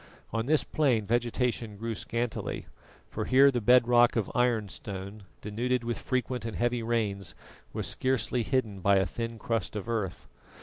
On this plain vegetation grew scantily, for here the bed rock of ironstone, denuded with frequent and heavy rains, was scarcely hidden by a thin crust of earth.